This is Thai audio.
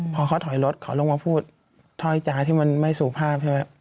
พอเขาถอยรถเขาลงมาพูดถ้อยจ่ายที่มันไม่สุภาพใช่ไหม